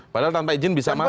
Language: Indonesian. padahal tanpa izin bisa masuk